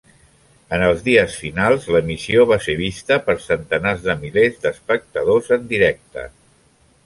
En els dies finals l'emissió va ser vista per centenars de milers d'espectadors en directe.